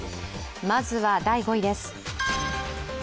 まずは第５位です。